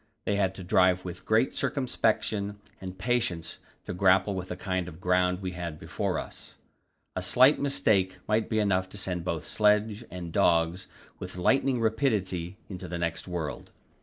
They had to drive with great circumspection and patience to grapple with the kind of ground we had before us; a slight mistake might be enough to send both sledge and dogs with lightning rapidity into the next world.